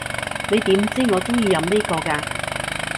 你點知我中意飲呢個㗎？